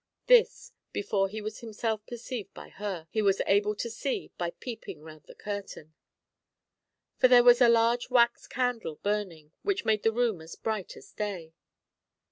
This, before he was himself perceived by her, he was able to see by peeping round the curtain ; for there was a large wax candle burning, which made the room as bright as day.